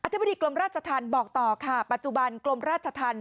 ธิบดีกรมราชธรรมบอกต่อค่ะปัจจุบันกรมราชธรรม